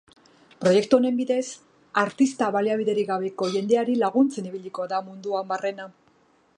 Proiektu honen bidez, artista baliabiderik gabeko jendeari laguntzen ibiliko da munduan barrena.